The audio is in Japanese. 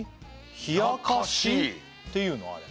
ひやかしっていうのあれ？